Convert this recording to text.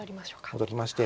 戻りまして。